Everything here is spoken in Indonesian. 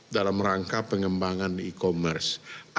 dalam rangka pengembangan e commerce